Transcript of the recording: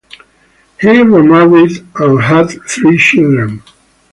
He remarried and had three children.